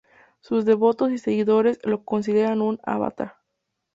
Sus devotos y seguidores lo consideran un avatar.